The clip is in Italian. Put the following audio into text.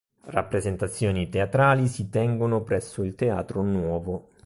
Rappresentazioni teatrali si tengono presso il Teatro Nuovo.